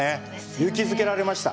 勇気づけられました。